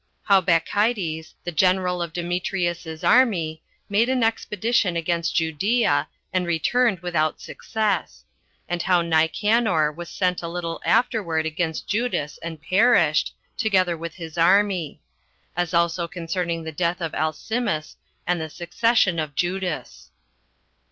How Bacchides, The General Of Demetrius's Army, Made An Expedition Against Judea, And Returned Without Success; And How Nicanor Was Sent A Little Afterward Against Judas And Perished, Together With His Army; As Also Concerning The Death Of Alcimus And The Succession Of Judas.